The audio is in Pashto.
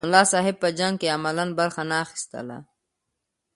ملا صاحب په جنګ کې عملاً برخه نه اخیستله.